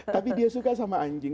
tapi dia suka sama anjing